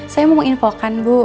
saya mau menginfokan bu